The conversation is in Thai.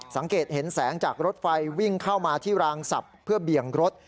สังเกตเห็นแสงจากรถไฟวิ่งเข้ามาที่รางศัพท์เพื่อเบี่ยงรถ